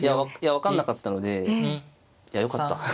いや分かんなかったのでいやよかった。